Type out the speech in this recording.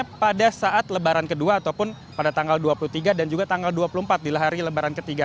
pada saat lebaran kedua ataupun pada tanggal dua puluh tiga dan juga tanggal dua puluh empat di hari lebaran ketiga